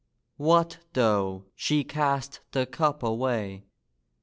What though she cast the cup away!